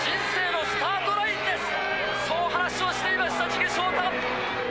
そう話をしていました地下翔太。